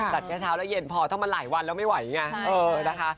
จัดแค่เช้าและเย็นพอเท่ามันหลายวันแล้วไม่ไหวไงเออนะคะ